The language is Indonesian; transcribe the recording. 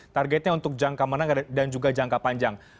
targetnya untuk jangka menengah dan juga jangka panjang